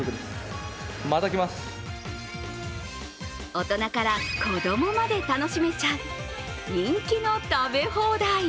大人から子供まで楽しめちゃう人気の食べ放題。